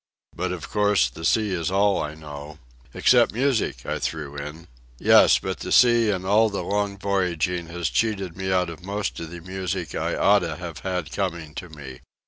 But of course the sea is all I know—" "Except music," I threw in. "Yes, but the sea and all the long voyaging has cheated me out of most of the music I oughta have had coming to me."